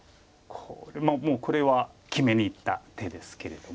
もうこれは決めにいった手ですけれども。